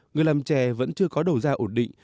người làm trẻ vẫn chưa có đầu gia ổn định